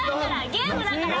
ゲームだから！